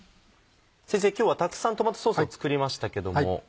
先生今日はたくさんトマトソースを作りましたけども。